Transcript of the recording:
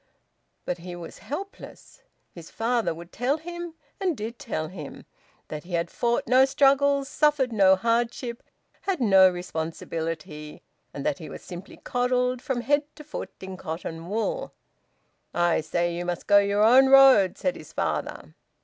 But he was helpless. His father would tell him, and did tell him, that he had fought no struggles, suffered no hardship, had no responsibility, and that he was simply coddled from head to foot in cotton wool. "I say you must go your own road," said his father.